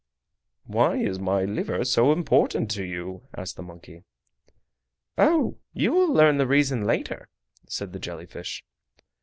"Why is my liver so important to you?" asked the monkey. "Oh! you will learn the reason later," said the jelly fish.